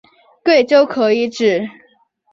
贵州可以指